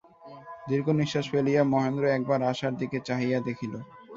দীর্ঘনিশ্বাস ফেলিয়া মহেন্দ্র একবার আশার দিকে চাহিয়া দেখিল।